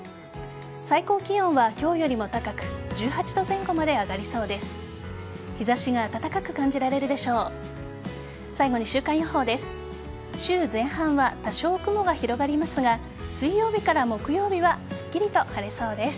最高気温は今日よりも高く１８度前後まで上がりそうです。